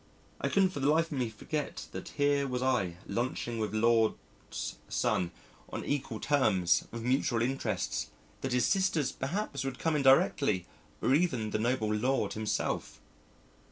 I couldn't for the life of me forget that here was I lunching with Lord 's son, on equal terms, with mutual interests, that his sisters perhaps would come in directly or even the noble Lord himself.